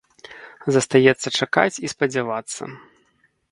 Застаецца чакаць і спадзявацца.